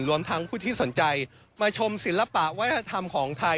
รวมทั้งผู้ที่สนใจมาชมศิลปะวัฒนธรรมของไทย